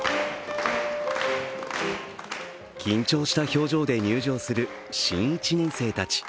緊張した表情で入場する新１年生たち。